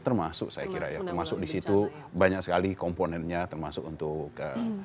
termasuk saya kira ya termasuk di situ banyak sekali komponennya termasuk untuk